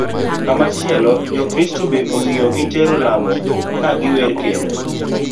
Kamachielo, jokristo be ong'iyo gi tero lamo ka giwer kendo